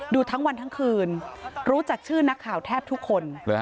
ดูทั้งวันทั้งคืนรู้จักชื่อนักข่าวแทบทุกคน